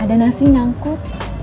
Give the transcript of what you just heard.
ada nasi nyangkut